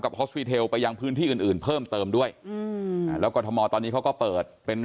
กับไปยังพื้นที่อื่นอื่นเพิ่มเติมด้วยอืมแล้วก็ตอนนี้เขาก็เปิดเป็น